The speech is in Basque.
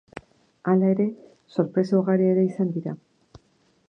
Hala ere, sorpresa ugari ere izan dira.